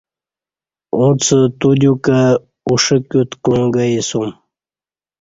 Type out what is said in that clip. ا څہ تودیوکں ا ݜہ کیوت کوݩع گے سیوم